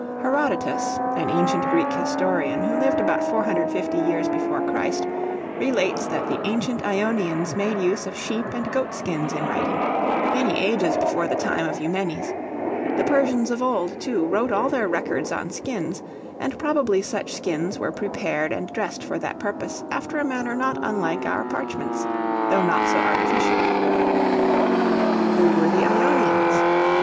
Herodotus, an ancient Greek historian, who lived about 450 years before Christ, relates that the ancient Ionians made use of sheep and goat skins in writing, many ages before the time of Eumenes; the Persians of old, too, wrote all their records on skins, and probably such skins were prepared and dressed for that purpose, after a manner not unlike our parchments, though not so artificially. Who were the Ionians?